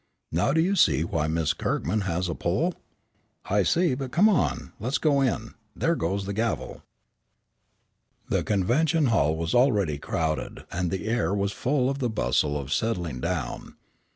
Now do you see why Miss Kirkman has a pull?" "I see, but come on, let's go in; there goes the gavel." The convention hall was already crowded, and the air was full of the bustle of settling down.